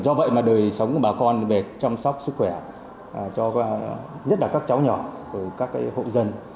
do vậy mà đời sống của bà con về chăm sóc sức khỏe cho nhất là các cháu nhỏ ở các hộ dân